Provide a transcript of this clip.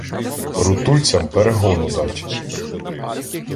Рутульцям перегону дать.